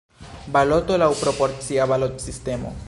Baloto laŭ proporcia balotsistemo.